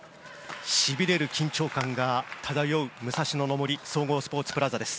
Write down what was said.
しびれる緊張感が漂う武蔵野の森総合スポーツプラザです。